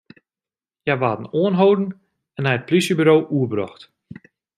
Hja waarden oanholden en nei it polysjeburo oerbrocht.